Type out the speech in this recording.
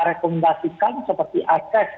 rekomendasikan seperti aces